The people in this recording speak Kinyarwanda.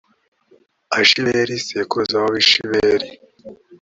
ashibeli sekuruza w’abashibeli;